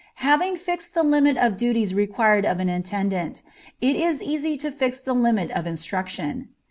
Having fixed the limit of duties required of an attendant, it is easy to fix the limit of instruction.